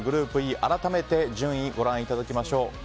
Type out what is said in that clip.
改めて順位をご覧いただきましょう。